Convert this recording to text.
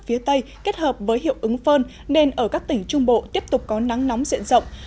phía tây kết hợp với hiệu ứng phơn nên ở các tỉnh trung bộ tiếp tục có nắng nóng diện rộng